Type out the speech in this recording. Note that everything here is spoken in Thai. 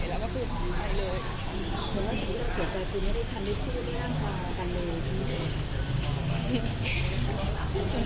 เลยเพราะว่าทุกอย่างใจที่ไม่ได้ทำไม่คู่หรือน่ากันเลย